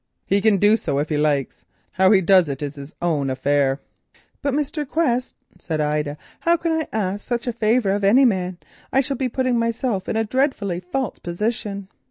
He can do so if he likes, how he does it is his own affair." "But, Mr. Quest," said Ida, "how can I ask such a favour of any man? I shall be putting myself in a dreadfully false position."